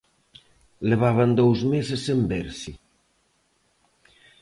Levaban dous meses sen verse.